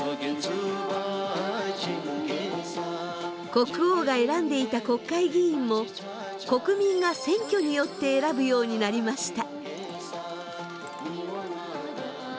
国王が選んでいた国会議員も国民が選挙によって選ぶようになりました。